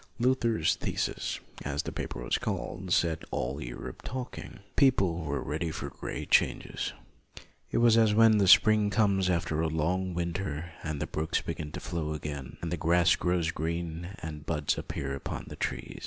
Luther's thesis, as his paper was called, set all Europe talking. People were ready for great changes. It was as when the spring comes after a long winter, and the brooks begin to flow again, and the grass grows green, and buds appear upon the trees.